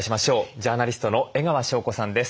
ジャーナリストの江川紹子さんです。